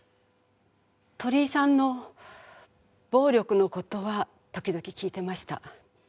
鳥居さんの暴力の事は時々聞いてました。